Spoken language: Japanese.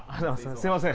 すみません